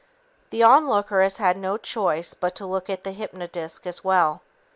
The onlooker has no choice but to look at the hypnodisc as well.